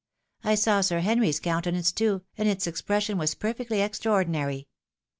I saw Sir Henry's countenance too, and its expres sion was perfectly extraordinary.